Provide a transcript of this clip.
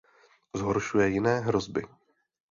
Zhoršuje jiné hrozby.